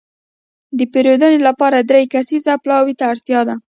د پېرودنې لپاره دری کسیز پلاوي ته اړتياده.